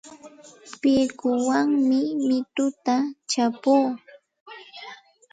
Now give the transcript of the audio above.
Pikuwanmi mituta chapuu.